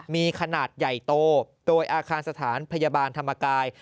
มีขนาดใหญ่โตโดยอาคารสถานพยาบาลธรรมกาย